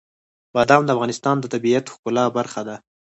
بادام د افغانستان د طبیعت د ښکلا برخه ده.